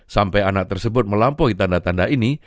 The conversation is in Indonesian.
sampai anak tersebut melampaui tanda tanda ini